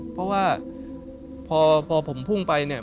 เพราะว่าพอผมพุ่งไปเนี่ย